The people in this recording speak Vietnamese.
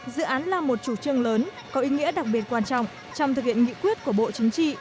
dự án là một chủ trương lớn có ý nghĩa đặc biệt quan trọng trong thực hiện nghị quyết của bộ chính trị